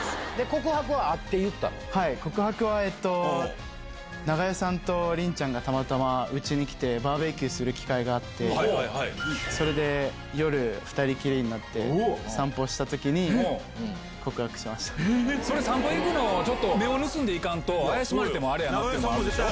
告白は、はい、告白は長与さんと凛ちゃんがたまたまうちに来てバーベキューする機会があって、それで夜２人きりになって、散歩したときに、それ、散歩行くのちょっと、目を盗んで行かんと、怪しまれてもあれやなっていうのもあるでしょ。